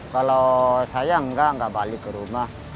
kalau saya enggak enggak balik ke rumah